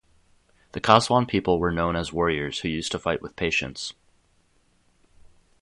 The Kaswan people were known as warriors who used to fight with patience.